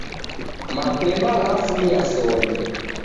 Mapamba ghafunya sombe